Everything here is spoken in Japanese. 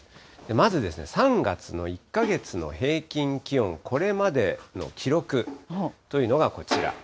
まず３月の１か月の平均気温、これまでの記録というのがこちら。